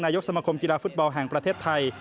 ยกสมคมกีฬาฟุตบอลแห่งประเทศไทย